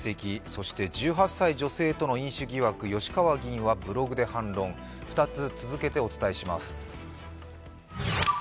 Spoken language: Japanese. そして１８歳女性との飲酒疑惑吉川議員はブログで反論、２つ続けてお伝えします。